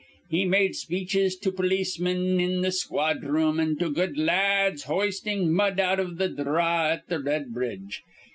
He made speeches to polismin in th' squadroom an' to good la ads hoistin' mud out iv th' dhraw at th' red bridge.